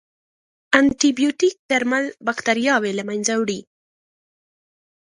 انټيبیوټیک درمل باکتریاوې له منځه وړي.